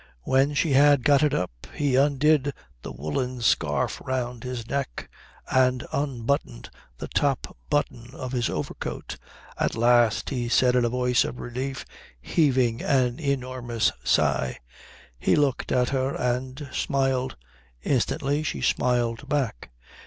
When she had got it up he undid the woollen scarf round his neck and unbuttoned the top button of his overcoat. "At last," he said in a voice of relief, heaving an enormous sigh. He looked at her and smiled. Instantly she smiled back.